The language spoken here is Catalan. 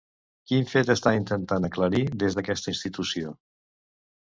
Quin fet estan intentant aclarir des d'aquesta institució?